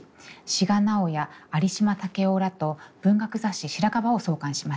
志賀直哉有島武郎らと文学雑誌「白樺」を創刊しました。